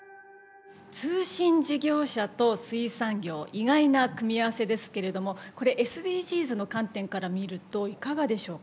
通信事業者と水産業意外な組み合わせですけれどもこれＳＤＧｓの観点から見るといかがでしょうか？